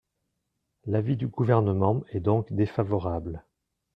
L’avis du Gouvernement est donc défavorable.